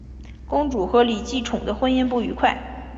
公主和李继崇的婚姻不愉快。